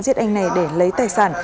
giết anh này để lấy tài sản